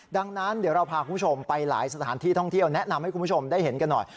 ดังนั้นเดี๋ยวเราพาคุณผู้ชมไปหลายสถานที่ท่องเที่ยวแนะนำให้คุณผู้ชมได้เห็นกันหน่อย